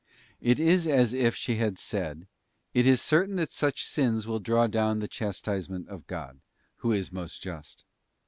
It is as if she had said, it is certain that such sins will draw down the chastisements of God, Who is most just.